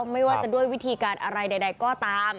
ไม่ว่าจะด้วยวิธีการอะไรใดก็ตาม